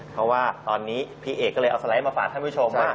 เพราะว่าตอนนี้พี่เอกก็เลยเอาสไลด์มาฝากท่านผู้ชมว่า